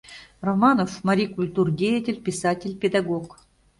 Романов — марий культур деятель, писатель, педагог.